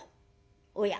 おや？